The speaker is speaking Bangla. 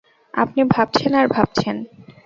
আপনি ভাবছেন, আর ভাবছেন?